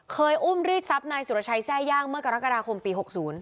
อุ้มรีดทรัพย์นายสุรชัยแทร่ย่างเมื่อกรกฎาคมปี๖๐